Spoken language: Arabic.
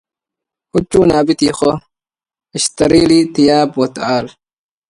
أنا مثلك تماما.